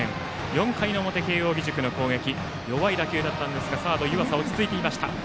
４回の表、慶応義塾の攻撃弱い打球でしたがサードの湯浅落ち着いていました。